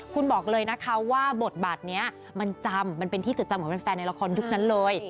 คุณบอกเลยนะคะว่าบทบาทนี้มันจำมันเป็นที่จดจำของแฟนในละครยุคนั้นเลย